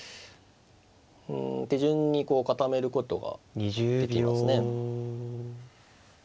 うん手順に固めることができますね。